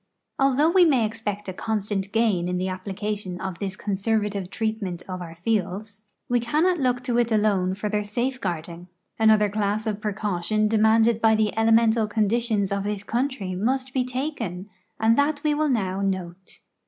Al though we may ex{)ect a constant gain in the api)lication of this conservative treatment of our fields, we cannot look to it alone for their safeguarding. Another class of ])recaution demanded b\" the elemental conditions of this country must be taken, and that we will now note.